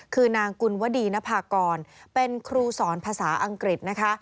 คือนางกุลวดีนภากรเป็นครูสอนภาษาอังกฤษนะคะ